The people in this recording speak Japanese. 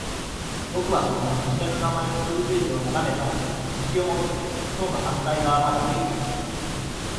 僕はその見知らぬ名前を数十秒眺めたあと、道を戻って棟の反対側まで歩いていく。